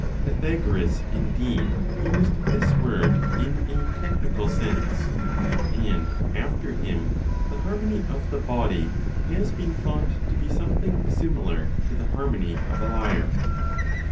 Pythagoras, indeed, used this word in a technical sense; and after him the harmony of the body has been thought to be something similar to the harmony of a lyre.